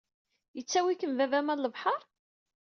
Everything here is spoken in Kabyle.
Yettawi-kem baba-m ɣer lebḥer?